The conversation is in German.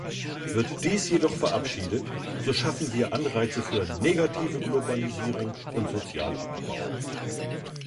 Wird dies jedoch verabschiedet, so schaffen wir Anreize für negative Globalisierung und Sozialabbau.